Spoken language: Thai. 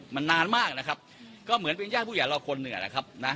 มันนานมากนะครับก็เหมือนเป็นญาติผู้ใหญ่เราคนหนึ่งนะครับนะ